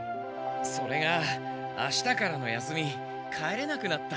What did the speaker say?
それがあしたからの休み帰れなくなった。